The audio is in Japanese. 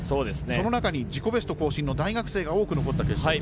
その中に自己ベスト更新の大学生が多く残った決勝です。